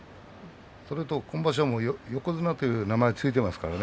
今場所、横綱という名前が付いていますからね。